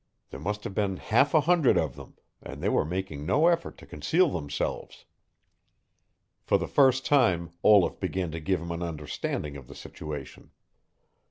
There must have been half a hundred of them, and they were making no effort to conceal themselves. For the first time Olaf began to give him an understanding of the situation.